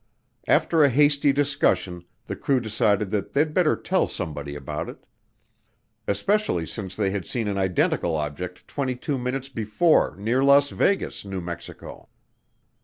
After a hasty discussion the crew decided that they'd better tell somebody about it, especially since they had seen an identical object twenty two minutes before near Las Vegas, New Mexico.